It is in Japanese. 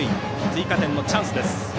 追加点のチャンスです。